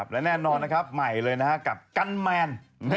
และแน่นอนนะครับใหม่เลยกับกันแมน